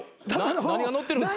何が載ってるんですか？